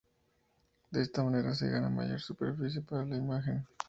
De esta manera se gana mayor superficie para la imagen.